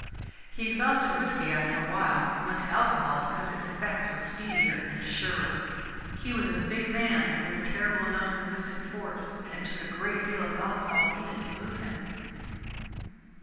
He exhausted whisky after a while, and went to alcohol, because its effects were speedier and surer. He was a big man and with a terrible amount of resistant force, and it took a great deal of alcohol even to move him.